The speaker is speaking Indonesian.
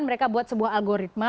mereka buat sebuah algoritma